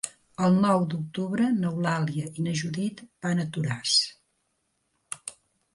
El nou d'octubre n'Eulàlia i na Judit van a Toràs.